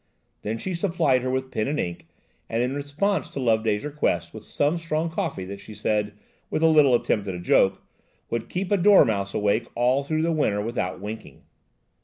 Then she supplied her with pen and ink and, in response to Loveday's request, with some strong coffee that she said, with a little attempt at a joke, would "keep a dormouse awake all through the winter without winking."